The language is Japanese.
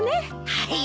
はい。